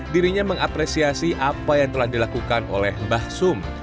dirinya mengapresiasi apa yang telah dilakukan oleh mbah sum